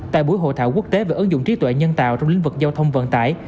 tại buổi hội thảo quốc tế về ứng dụng trí tuệ nhân tạo trong lĩnh vực giao thông vận tải